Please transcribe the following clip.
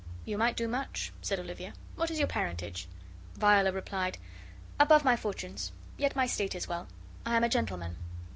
"You might do much," said Olivia. "What is your parentage?'" Viola replied: "Above my fortunes, yet my state is well. I am a gentleman."